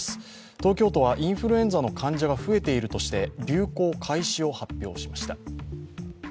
東京都はインフルエンザの患者が増えているとして流行開始を発表しました。